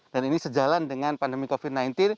ini sejalan dengan pandemi covid sembilan belas